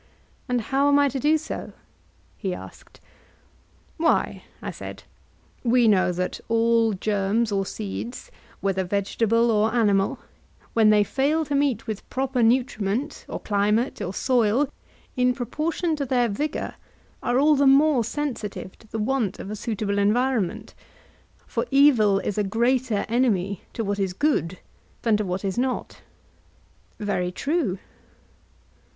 And how am I to do so? he asked. Why, I said, we know that all germs or seeds, whether vegetable or animal, when they fail to meet with proper nutriment or climate or soil, in proportion to their vigour, are all the more sensitive to the want of a suitable environment, for evil is a greater enemy to what is good than to what is not. Very true.